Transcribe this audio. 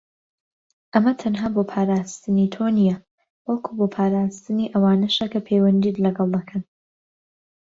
ئەمە تەنها بۆ پاراستنی تۆ نیە، بەڵکو بۆ پاراستنی ئەوانەشە کە پیوەندیت لەگەڵ دەکەن.